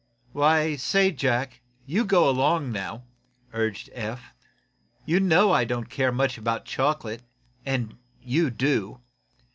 "Why, say, Jack, you go along now," urged Eph. "You know I don't care much about chocolate, and you do.